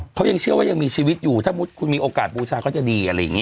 เขายังเชื่อว่ายังมีชีวิตอยู่ถ้ามุติคุณมีโอกาสบูชาเขาจะดีอะไรอย่างนี้